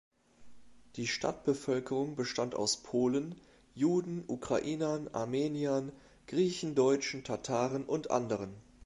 Die Stadtbevölkerung bestand aus Polen, Juden, Ukrainern, Armeniern, Griechen, Deutschen, Tataren und anderen.